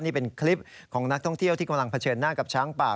นี่เป็นคลิปของนักท่องเที่ยวที่กำลังเผชิญหน้ากับช้างป่า